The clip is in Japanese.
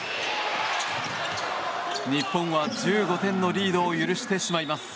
日本は、１５点のリードを許してしまいます。